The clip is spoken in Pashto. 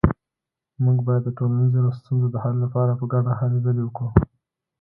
موږ باید د ټولنیزو ستونزو د حل لپاره په ګډه هلې ځلې وکړو